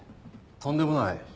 とんでもない。